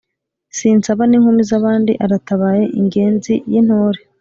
Sinsaba n,inkumi zabandi Aratabaye Ingenzi y'Intore